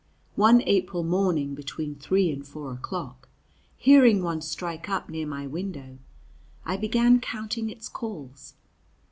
One April morning between three and four o'clock, hearing one strike up near my window, I began counting its calls.